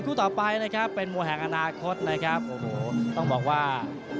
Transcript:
ต่อไปนะครับเป็นมวยแห่งอนาคตนะครับโอ้โหต้องบอกว่า